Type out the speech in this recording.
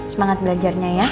semangat belajarnya ya